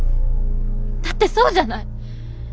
だってそうじゃない。